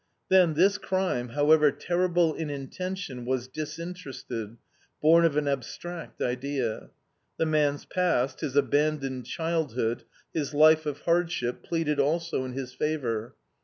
Then, this crime, however terrible in intention, was disinterested, born of an abstract idea. The man's past, his abandoned childhood, his life of hardship, pleaded also in his favor.